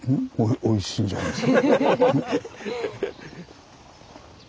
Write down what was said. おいしいんじゃないですか。